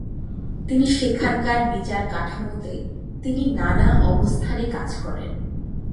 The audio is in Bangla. তিনি সেখানকার বিচার কাঠামোতে তিনি নানা অবস্থানে কাজ করেন।